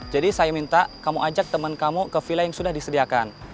jadi saya minta kamu ajak temen kamu ke villa yang sudah disediakan